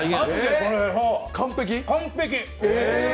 完璧！